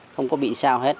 không có bị sao hết